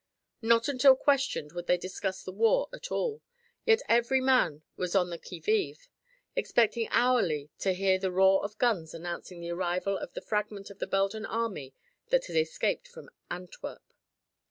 Not until questioned would they discuss the war at all, yet every man was on the qui vive, expecting hourly to hear the roar of guns announcing the arrival of the fragment of the Belgian army that had escaped from Antwerp.